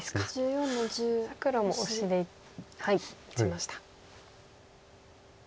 さあ黒もオシで打ちました。